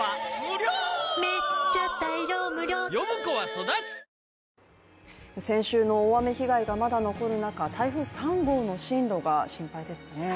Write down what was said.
そのやさしさをマスクにも先週の大雨被害がまだ残る中台風３号の進路が心配ですね。